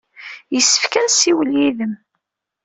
Yessefk ad nessiwel yid-m.